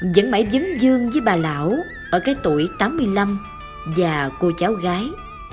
vẫn mãi dính dương với bà lão ở cái tuổi tám mươi năm và cô cháu gái